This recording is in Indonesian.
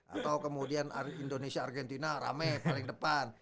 atau kemudian indonesia argentina rame paling depan